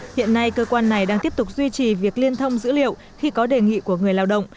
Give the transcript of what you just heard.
hiện nay cơ quan này đang tiếp tục duy trì việc liên thông dữ liệu khi có đề nghị của người lao động